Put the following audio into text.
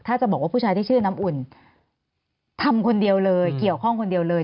ถ้าจะบอกว่าผู้ชายที่ชื่อน้ำอุ่นทำคนเดียวเลยเกี่ยวข้องคนเดียวเลย